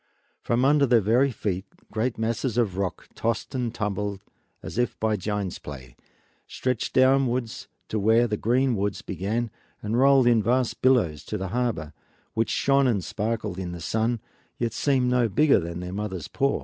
From under their very feet great masses of rock, tossed and tumbled as by a giant's play, stretched downwards to where the green woods began and rolled in vast billows to the harbor, which shone and sparkled in the sun, yet seemed no bigger than their mother's paw.